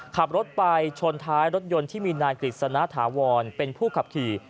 ขับรถไปชนท้ายรถยนต์ที่มีนายกฤษณะถาวรเป็นผู้ขับขี่